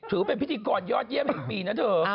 ถือเป็นพิธีกรยอดเยี่ยมแห่งปีนะเธอ